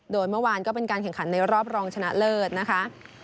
โดยเมื่อวานก็เป็นการแข่งขันในรอบรองชนะเลิศนะคะ